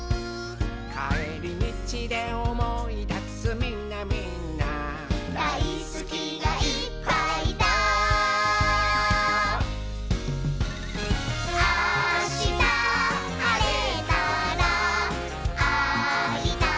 「かえりみちでおもいだすみんなみんな」「だいすきがいっぱいだ」「あしたはれたらあいたくなっちゃうね」